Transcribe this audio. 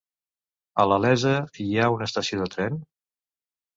A la Iessa hi ha estació de tren?